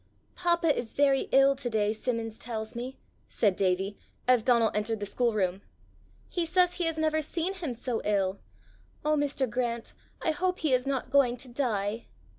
"Papa is very ill to day, Simmons tells me," said Davie, as Donal entered the schoolroom. "He says he has never seen him so ill. Oh, Mr. Grant, I hope he is not going to die!"